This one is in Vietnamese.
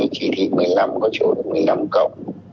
chỉ thị một mươi năm có chỗ được một mươi năm cổng